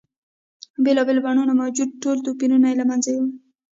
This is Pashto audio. بېلا بېلو بڼو موجود ټول توپیرونه یې له منځه یوړل.